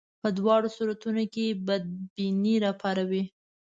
په دواړو صورتونو کې بدبیني راپاروي.